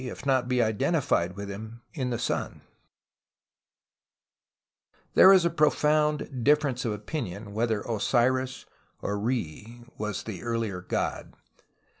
if not be identified with him, in the sun. 132 TUTANKHAMEN There is a profound difference of opinion whether Osiris or Re was the earliest god.